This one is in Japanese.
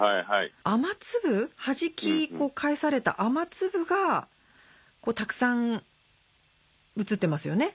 はじき返された雨粒がたくさん写ってますよね？